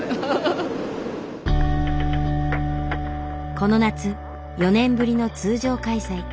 この夏４年ぶりの通常開催。